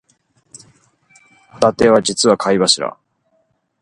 ホタテは実は貝柱